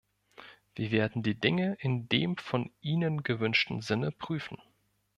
Wir werden die Dinge in dem von Ihnen gewünschten Sinne prüfen.